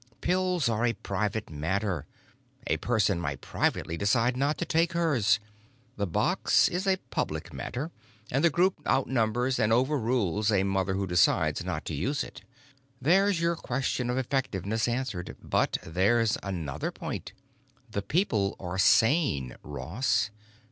"Pills are a private matter. A person might privately decide not to take hers. The box is a public matter and the group outnumbers and overrules a mother who decides not to use it. There's your question of effectiveness answered, but there's another point. Those people are sane, Ross.